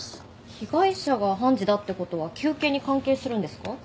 被害者が判事だって事は求刑に関係するんですか？